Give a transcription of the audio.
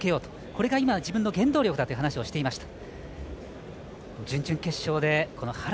これが今、自分の原動力だと話をしていました。